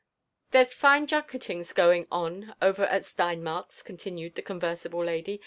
There's One junketings going on over at Steinmark's," continued the conversible lady.